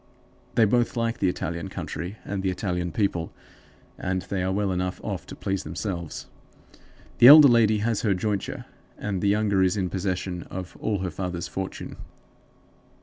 They both like the Italian country and the Italian people, and they are well enough off to please themselves. The elder lady has her jointure, and the younger is in possession of all her father's fortune.